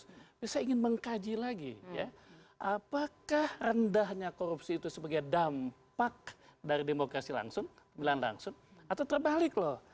tapi saya ingin mengkaji lagi ya apakah rendahnya korupsi itu sebagai dampak dari demokrasi langsung pemilihan langsung atau terbalik loh